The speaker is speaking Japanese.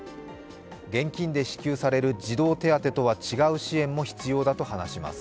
現金で支給される児童手当とは違う支援も必要だと話します。